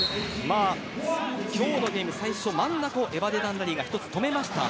今日のゲーム、最初真ん中をエバデダン・ラリーが１つ止めました。